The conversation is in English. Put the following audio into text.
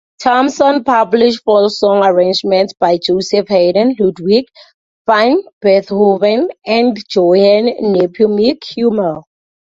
Thomson published folksong arrangements by Joseph Haydn, Ludwig van Beethoven and Johann Nepomuk Hummel.